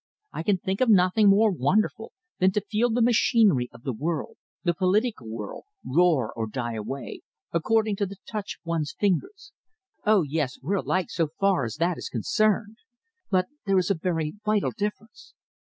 I can think of nothing more wonderful than to feel the machinery of the world the political world roar or die away, according to the touch of one's fingers. Oh, yes, we're alike so far as that is concerned! But there is a very vital difference.